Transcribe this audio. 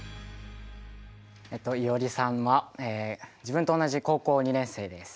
いおりさんは自分と同じ高校２年生です。